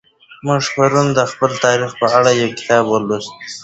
موږ پرون د خپل تاریخ په اړه یو کتاب ولوست.